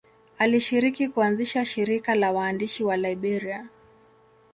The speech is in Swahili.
Alishiriki kuanzisha shirika la waandishi wa Liberia.